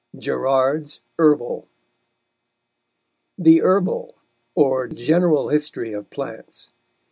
GERARD'S HERBAL THE HERBALL _or General Historie of Plantes.